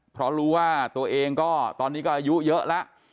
เพราะรู้ว่าตัวเองก็ตอนนี้ก็อายุเยอะแล้ว